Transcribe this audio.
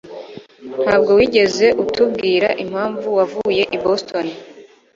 Ntabwo wigeze utubwira impamvu wavuye i Boston